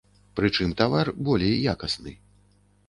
Прычым тавар болей якасны.